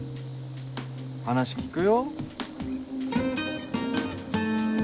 話聞くよ。